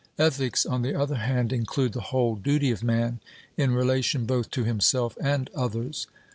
Ethics, on the other hand, include the whole duty of man in relation both to himself and others.